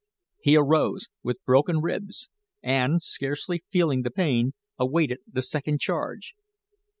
He arose, with broken ribs, and scarcely feeling the pain awaited the second charge.